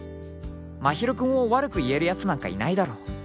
［真昼君を悪く言えるやつなんかいないだろう］